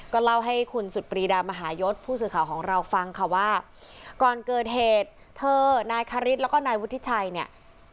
เล่าให้คุณสุดปรีดามหายศผู้สื่อข่าวของเราฟังค่ะว่าก่อนเกิดเหตุเธอนายคาริสแล้วก็นายวุฒิชัยเนี่ย